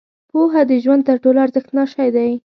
• پوهه د ژوند تر ټولو ارزښتناک شی دی.